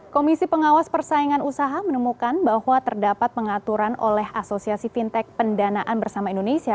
komisi pengawas persaingan usaha menemukan bahwa terdapat pengaturan oleh asosiasi fintech pendanaan bersama indonesia